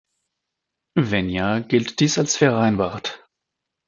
Wenn ja, gilt dies als vereinbart.